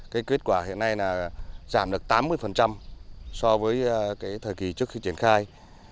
cái kết quả hiện nay là giảm được tám mươi so với cái thời kỳ trước khi triển khai